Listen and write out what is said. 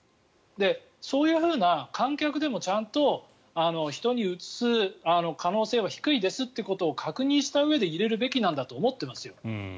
そういうふうな、観客でもちゃんと人にうつす可能性は低いですということを確認したうえで入れるべきなんだと思ってますよ。